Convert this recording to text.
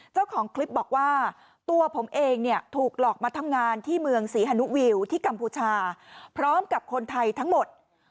เจ้าของคลิปบอกว่าตัวผมเองเนี่ยถูกหลอกมาทำงานที่เมืองศรีฮานุวิวที่กัมพูชาพร้อมกับคนไทยทั้งหมด